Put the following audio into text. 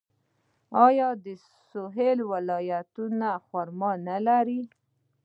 آیا د سویل ولایتونه خرما نلري؟